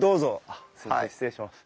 あっすいません失礼します。